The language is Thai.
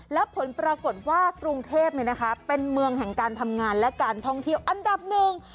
แล้วผลปรากฏว่ากรุงเทพเป็นเมืองแห่งการทำงานและการท่องเที่ยวอันดับหนึ่ง